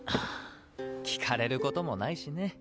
聞かれる事もないしね。